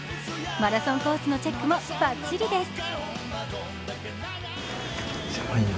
マラソンコースのチェックもバッチリです。